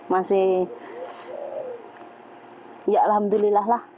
masih ya alhamdulillah lah